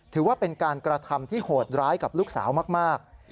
ถือว่าเป็นการกระทำที่โหดร้ายกับลูกสาวมาก